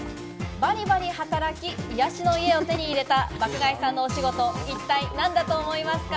バリバリ働き、癒やしの家を手に入れた爆買いさんのお仕事、一体何だと思いますか？